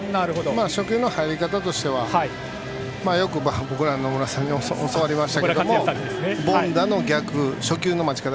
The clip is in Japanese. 初球の入り方としてはよく野村さんに教わりましたが初球の待ち方。